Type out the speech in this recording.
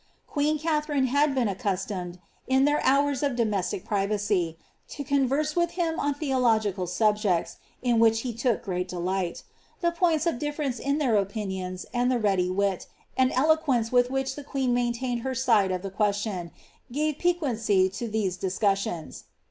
Queen Katharine hud been accus tomed, in their hours of domestic privacy, to converse with him oo tlieological subjects, in which he took great delight The points of dif^ ference in their opinions, and the ready wit, and eloquence with which the queen maintained her side of the question, gave piquancy to these discussions.